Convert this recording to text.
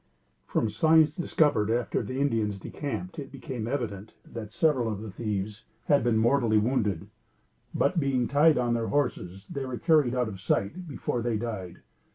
From signs discovered after the Indians had decamped, it became evident that several of the thieves had been mortally wounded; but, being tied on their horses, they were carried out of sight before they died.